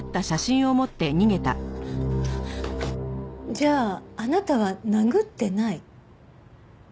じゃああなたは殴ってない？